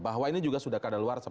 bahwa ini juga sudah kadaluarsa